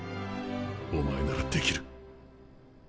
お前ならできる。